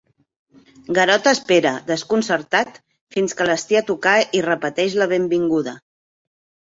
Garota espera, desconcertat, fins que les té a tocar i repeteix la benvinguda.